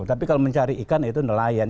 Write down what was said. tapi kalau mencari ikan itu nelayan